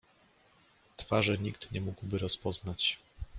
"Twarzy nikt nie mógłby rozpoznać."